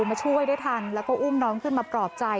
มาช่วยได้ทันแล้วก็อุ้มน้องขึ้นมาปลอบใจ